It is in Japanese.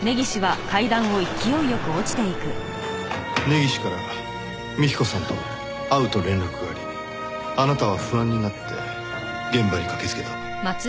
根岸から幹子さんと会うと連絡がありあなたは不安になって現場に駆けつけた。